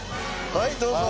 はいどうぞ。